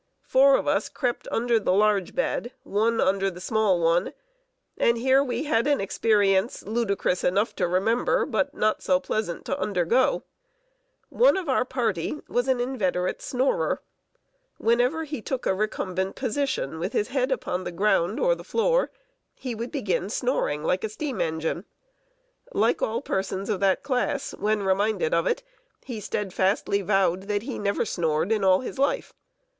Four of us crept under the large bed, one under the small one; and here we had an experience, ludicrous enough to remember, but not so pleasant to undergo. [Sidenote: DANGER OF DETECTION FROM SNORING.] One of our party was an inveterate snorer. Whenever he took a recumbent position, with his head upon the ground or the floor, he would begin snoring like a steam engine. Like all persons of that class, when reminded of it, he steadfastly vowed that he never snored in all his life!